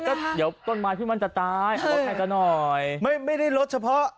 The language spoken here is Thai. ก็เดี๋ยวต้นไม้ที่มันจะตายเอาลดให้ซะหน่อยไม่ไม่ได้ลดเฉพาะ